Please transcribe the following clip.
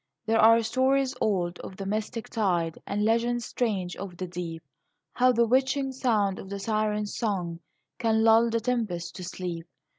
There are stories old, of the mystic tide, And legends strange, of the deep, How the witching sound of the siren's song Can lull the tempest to sleep.